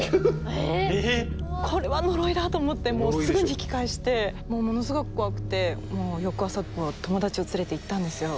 これは呪いだと思ってもうすぐに引き返してものすごく怖くて翌朝友達を連れて行ったんですよ。